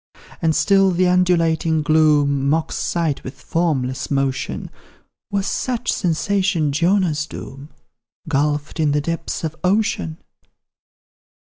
And still the undulating gloom Mocks sight with formless motion: Was such sensation Jonah's doom, Gulphed in the depths of ocean?